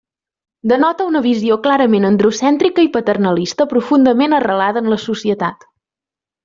Denota una visió clarament androcèntrica i paternalista profundament arrelada en la societat.